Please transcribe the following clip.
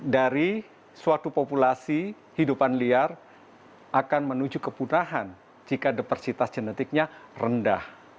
dari suatu populasi hidupan liar akan menuju kepunahan jika depersitas genetiknya rendah